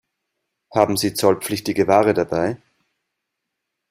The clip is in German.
Haben Sie zollpflichtige Ware dabei?